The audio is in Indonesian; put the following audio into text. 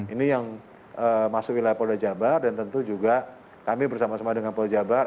ini yang masuk wilayah polda jabar dan tentu juga kami bersama sama dengan polda jabar